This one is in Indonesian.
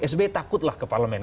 sby takutlah ke parlemen